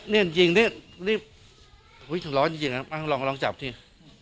นี่จริงอุ๊ยร้อนจริงลองจับที่